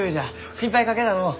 心配かけたのう。